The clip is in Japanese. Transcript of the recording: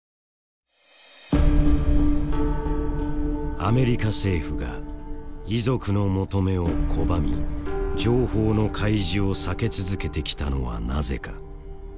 アメリカ政府が遺族の求めを拒み情報の開示を避け続けてきたのはなぜか。